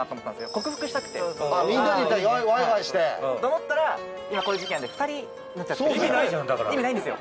克服したくてみんなでワイワイして？と思ったら今こういう時期なんで２人になっちゃって意味ないんですよ